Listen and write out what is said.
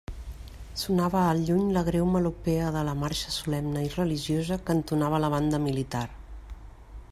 Sonava al lluny la greu melopea de la marxa solemne i religiosa que entonava la banda militar.